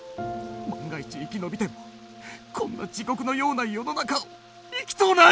万が一生き延びてもこんな地獄のような世の中を生きとうない！